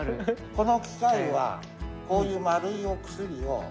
この機械はこういう丸いお薬を。